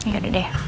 ya udah deh